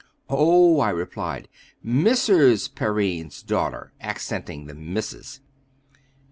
"Oh," I replied, "Mrs. Perrine's daughter," accenting the "Missis!"